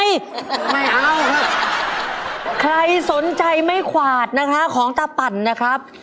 ไม่เอาครับใครสนใจไม่ขวาดนะคะของตาปั่นนะครับ